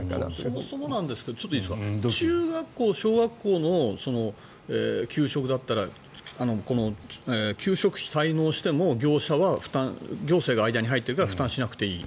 そもそもなんですが中学校、小学校の給食だったら給食費滞納しても業者は負担行政が間に入っているから負担しなくていい。